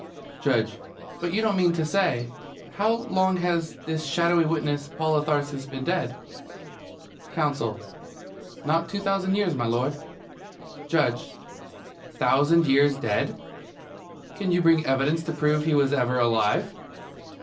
JUDGE: But you don't mean to, say how long has this shadowy witness, Paul of Tarsus, been dead? COUNSEL: Not two thousand years, m'lud. JUDGE: Thousand years dead? Can you bring evidence to prove that he was ever alive?